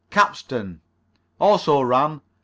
CAPSTAN. Also ran.